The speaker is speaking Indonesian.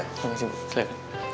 terima kasih bu